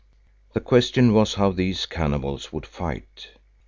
The question was how these cannibals would fight.